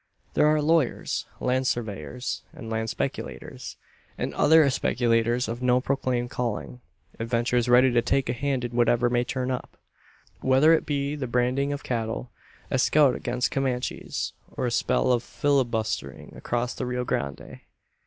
There are lawyers, land surveyors, and land speculators, and other speculators of no proclaimed calling adventurers ready to take a hand in whatever may turn up whether it be the branding of cattle, a scout against Comanches, or a spell of filibustering across the Rio Grande.